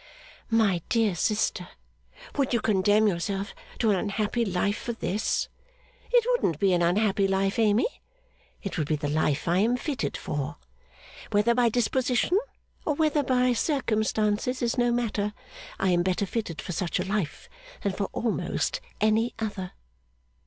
'My dear sister, would you condemn yourself to an unhappy life for this?' 'It wouldn't be an unhappy life, Amy. It would be the life I am fitted for. Whether by disposition, or whether by circumstances, is no matter; I am better fitted for such a life than for almost any other.